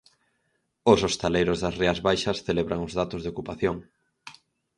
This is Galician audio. Os hostaleiros das Rías Baixas celebran os datos de ocupación.